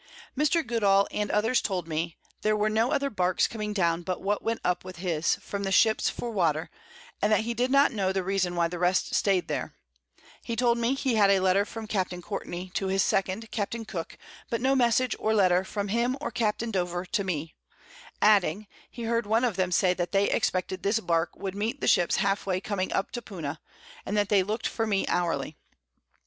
Mr. Goodall and others told me, there were no other Barks coming down but what went up with his, from the Ships for Water, and that he did not know the Reason why the rest stay'd there: He told me, he had a Letter from Capt. Courtney to his Second, Capt. Cook, but no Message or Letter from him or Capt. Dover to me; adding, he heard one of them say that they expected this Bark would meet the Ships half way coming up to Puna, and that they looked for me hourly.